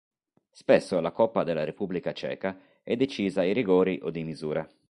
Spesso la Coppa della Repubblica Ceca è decisa ai rigori o di misura.